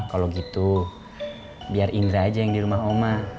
kalau gitu biar indra aja yang di rumah oma